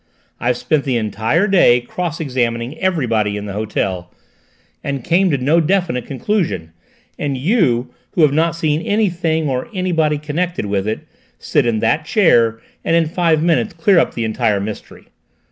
"I've spent the entire day cross examining everybody in the hotel, and came to no definite conclusion; and you, who have not seen anything or anybody connected with it, sit in that chair and in five minutes clear up the entire mystery.